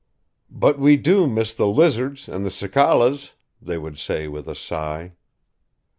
"But we do miss the lizards and the cicalas," they would say with a sigh.